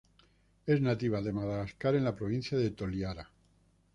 Es nativa de Madagascar en la Provincia de Toliara.